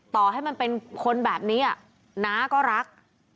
ต่อให้มันเป็นคนแบบนี้น้าก็รัก